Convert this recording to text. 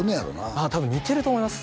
ああ多分似てると思います